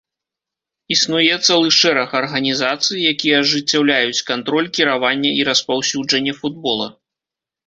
Існуе цэлы шэраг арганізацый, якія ажыццяўляюць кантроль, кіраванне і распаўсюджанне футбола.